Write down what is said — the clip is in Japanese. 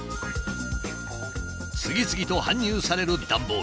次々と搬入される段ボール。